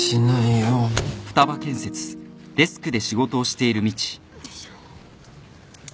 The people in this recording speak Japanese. よいしょ。